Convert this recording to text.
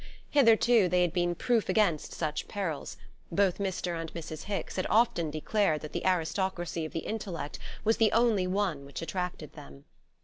Hitherto they had been proof against such perils: both Mr. and Mrs. Hicks had often declared that the aristocracy of the intellect was the only one which attracted them.